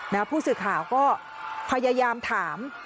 แล้วผู้สื่อข่าวก็พยายามถาม